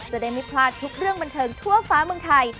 จะได้ไม่พลาดทุกเรื่องบันเทิงทั่วฟ้าเมืองไทย